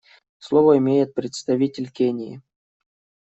Слово имеет представитель Кении.